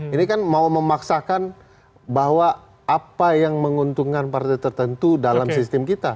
ini kan mau memaksakan bahwa apa yang menguntungkan partai tertentu dalam sistem kita